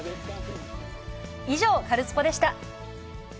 以上、カルスポっ！でした。